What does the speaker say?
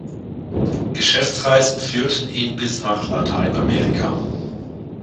Geschäftsreisen führten ihn bis nach Lateinamerika.